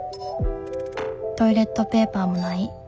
トイレットペーパーもない。